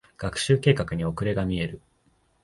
学習計画に遅れが見える。